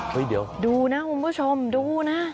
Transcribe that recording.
เดี๋ยวดูนะคุณผู้ชมดูนะ